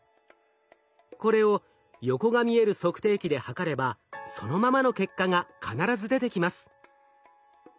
これを横が見える測定器で測ればそのままの結果が必ず出てきます。